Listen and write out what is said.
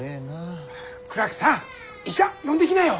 倉木さん医者呼んできなよ！